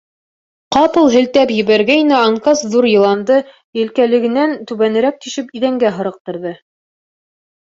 Ҡапыл һелтәп ебәргәйне, анкас ҙур йыланды, елкәлегенән түбәнерәк тишеп, иҙәнгә һырыҡтырҙы.